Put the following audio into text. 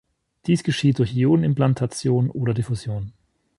Dies geschieht durch Ionenimplantation oder Diffusion.